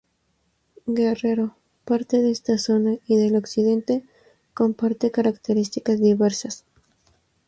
Guerrero, parte de esta zona y del occidente, comparte características diversas.